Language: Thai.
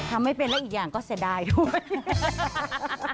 ทำไม่เป็นแล้วอีกอย่างก็เสียดายด้วย